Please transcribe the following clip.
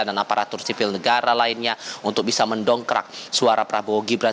dan aparatur sipil negara lainnya untuk bisa mendongkrak suara prabowo gibran